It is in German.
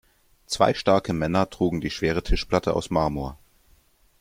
Zwei starke Männer trugen die schwere Tischplatte aus Marmor.